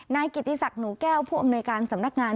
นายกิติศักดิ์หนูแก้วผู้อำนวยการสำนักงาน